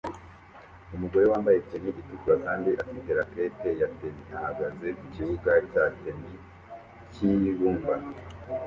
Umugore wambaye tennis itukura kandi afite racket ya tennis ahagaze ku kibuga cya tennis cyibumba